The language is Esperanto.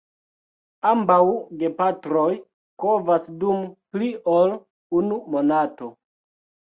Ambaŭ gepatroj kovas dum pli ol unu monato.